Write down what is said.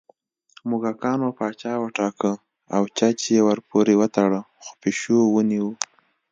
موږکانو پاچا وټاکه او چج یې ورپورې وتړه خو پېشو ونیوه